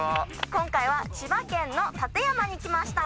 今回は千葉県の館山に来ました！